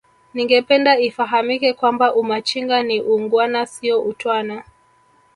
ningependa ifahamike kwamba Umachinga ni uungwana sio utwana